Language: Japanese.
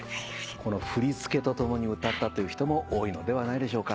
この振り付けとともに歌ったという人も多いのではないでしょうか。